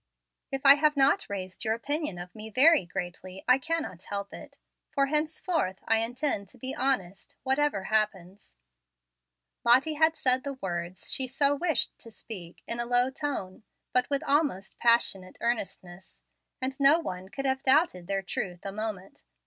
If I have not raised your opinion of me very greatly, I cannot help it, for henceforth I intend to be honest, whatever happens." Lottie had said the words she so wished to speak in a low tone, but with almost passionate earnestness, and no one could have doubted their truth a moment.